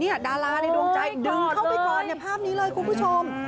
เนี่ยดาราในโดยโจมใจเดื้องเข้าไปก่อนเนี่ยภาพนี้เลยคุณผู้ชม